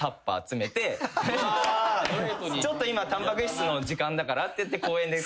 ちょっと今タンパク質の時間だからって言って公園で食べたり。